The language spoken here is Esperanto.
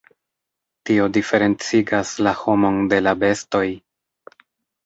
Tio diferencigas la homon de la bestoj.